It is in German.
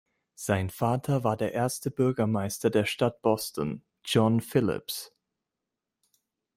Sein Vater war der erste Bürgermeister der Stadt Boston, John Phillips.